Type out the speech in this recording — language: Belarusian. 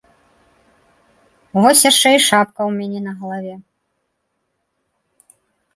Вось яшчэ і шапка ў мяне на галаве.